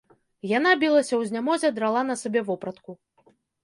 Яна білася ў знямозе, драла на сабе вопратку.